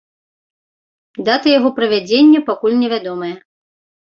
Дата яго правядзення пакуль невядомая.